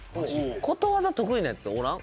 ことわざ得意なヤツおらん？